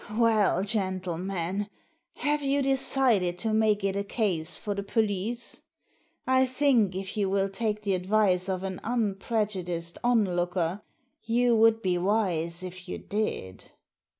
"Well, gentlemen, have you decided to make it a case for the police ? I think, if you will take the advice of an unprejudiced onlooker, you would be wise if you did."